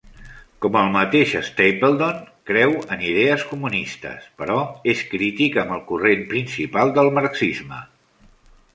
Com el mateix Stapledon, creu en idees comunistes però és crític amb el corrent principal del marxisme.